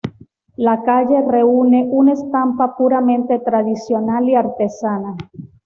La calle reúne una estampa puramente tradicional y artesana.